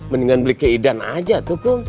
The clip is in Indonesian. mendingan beli keidan aja tuh